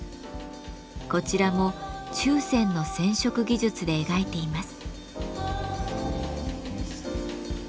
こちらも注染の染色技術で描いています。